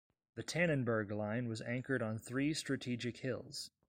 The Tannenberg Line was anchored on three strategic hills.